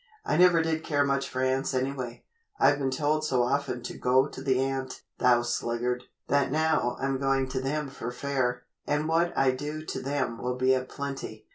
I never did care much for ants anyway. I've been told so often to 'go to the ant, thou sluggard,' that now I'm going to them for fair, and what I do to them will be a plenty."